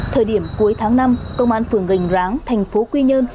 thời điểm cuối tháng năm công an phường gành ráng thành phố quy nhơn